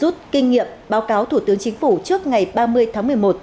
rút kinh nghiệm báo cáo thủ tướng chính phủ trước ngày ba mươi tháng một mươi một